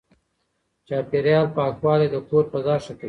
چاپېريال پاکوالی د کور فضا ښه کوي.